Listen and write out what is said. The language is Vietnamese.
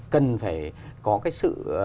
cần phải có cái sự